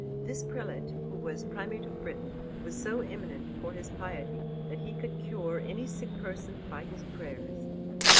This prelate, who was primate of Britain, was so eminent for his piety that he could cure any sick person by his prayers.